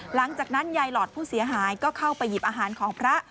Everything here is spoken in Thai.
หลังจากนั้นยายหลอดผู้เสียหายก็เข้าไปหยิบอาหารของพระ